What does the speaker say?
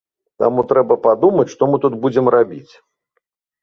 Таму трэба падумаць, што мы тут будзем рабіць.